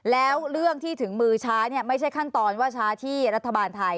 แล้วเรื่องที่ถึงมือช้าไม่ใช่ขั้นตอนว่าช้าที่รัฐบาลไทย